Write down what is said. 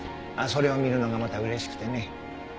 まあそれを見るのがまた嬉しくてね。